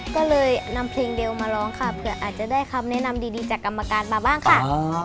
ก็เลยนำเพลงเดียวมาร้องค่ะเผื่ออาจจะได้คำแนะนำดีจากกรรมการมาบ้างค่ะ